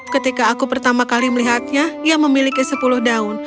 ketika aku pertama kali melihatnya ia memiliki sepuluh daun